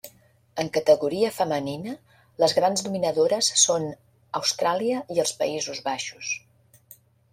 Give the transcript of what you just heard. En categoria femenina les grans dominadores són Austràlia i els Països Baixos.